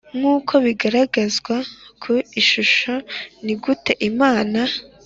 Nk uko bigaragazwa ku ishusho ni gute Imana